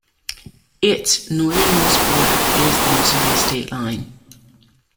Its northernmost border is the Missouri state line.